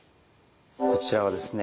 こちらはですね